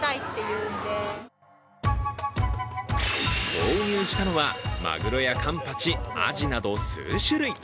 購入したのは、まぐろやカンパチアジなど数種類。